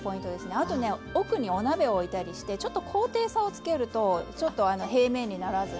あとね奥にお鍋を置いたりしてちょっと高低差をつけると平面にならずに。